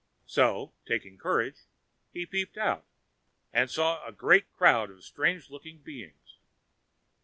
So, taking courage, he peeped out, and saw a great crowd of strange looking beings.